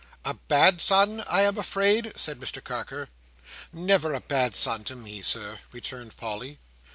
"A bad son, I am afraid?" said Mr Carker. "Never a bad son to me, Sir," returned Polly.